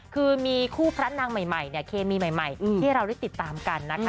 คือมีคู่พระนางใหม่เนี่ยเคมีใหม่ที่เราได้ติดตามกันนะคะ